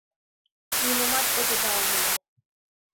Нимомат огыда умыло.